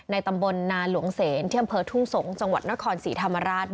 ในตำบลนานหลวงเศษเที่ยมเผอทู่สงฆ์จังหวัดน้อยคอนสีธรรมราช